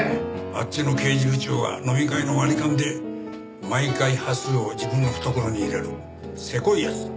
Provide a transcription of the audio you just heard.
あっちの刑事部長は飲み会の割り勘で毎回端数を自分の懐に入れるせこい奴だ。